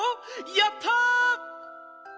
やった！」。